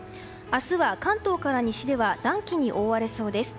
明日は関東から西では暖気に覆われそうです。